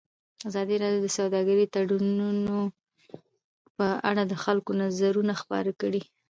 ازادي راډیو د سوداګریز تړونونه په اړه د خلکو نظرونه خپاره کړي.